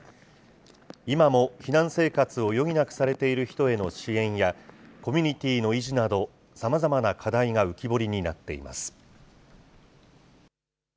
今も避難生活を余儀なくされている人への支援や、コミュニティーの維持など、さまざまな課題が浮き彫りになっています。